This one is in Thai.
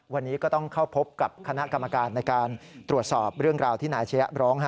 วันนี้ก็ต้องเข้าพบกับคณะกรรมการในการตรวจสอบเรื่องราวที่นายอาชญะร้อง